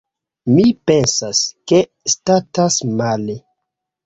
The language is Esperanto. Mi pensas, ke statas male.